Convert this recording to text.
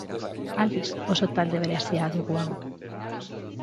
Aldiz, oso talde berezia dugu hau.